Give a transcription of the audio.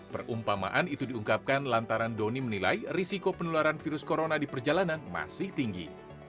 perumpamaan itu diungkapkan lantaran doni menilai risiko penularan virus corona di perjalanan masih tinggi